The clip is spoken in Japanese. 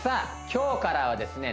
今日からはですね